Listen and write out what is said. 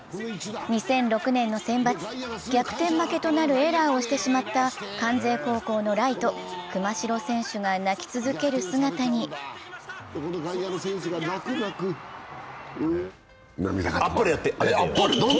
２００６年のセンバツ、逆転負けとなるエラーをしてしまった関西高校のライト・熊代選手が泣き続ける姿にあっぱれやって。